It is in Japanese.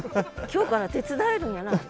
今日から手伝えるんやない？